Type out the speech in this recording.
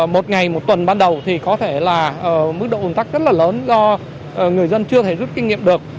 một ngày một tuần ban đầu thì có thể là mức độ ủng tắc rất là lớn do người dân chưa thể rút kinh nghiệm được